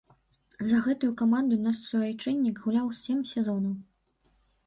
За гэтую каманду наш суайчыннік гуляў сем сезонаў.